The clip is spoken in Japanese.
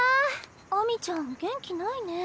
秋水ちゃん元気ないね。